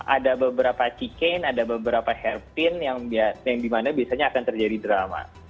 ada beberapa chicken ada beberapa harpin yang dimana biasanya akan terjadi drama